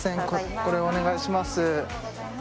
これお願いします